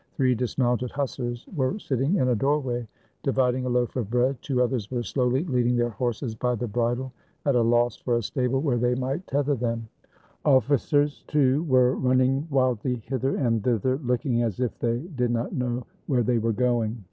Three dismounted hussars were sitting in a doorway, dividing a loaf of bread; two others were slowly leading their horses by the bridle, at a loss for a stable where they might tether them; ofiicers, too, were running wildly hither and thither, looking as if they did not know where they were going.